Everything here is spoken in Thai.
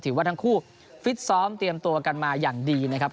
ถือว่าทั้งคู่ฟิตซ้อมเตรียมตัวกันมาอย่างดีนะครับ